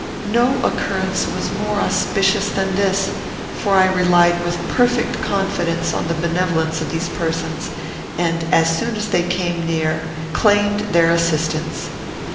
No occurrence was more auspicious than this; for I relied with perfect confidence on the benevolence of these persons, and, as soon as they came near, claimed their assistance.